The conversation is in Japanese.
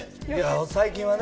最近はね。